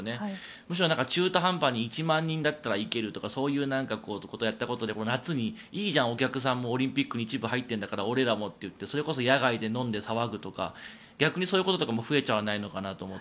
むしろ中途半端に１万人だったらいけるとかそういうことをやったことで夏にいいじゃん、お客さんもオリンピックに入ってるんだからと俺らもと言ってそれこそ野外で飲んで騒ぐとか逆にそういうことも増えちゃわないのかなと。